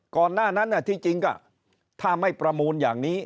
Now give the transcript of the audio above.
ก่อนหน้านั้นที่จริงก็ถ้าไม่ประมูลอย่างนี้